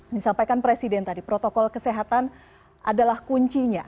disampaikan presiden tadi protokol kesehatan adalah kuncinya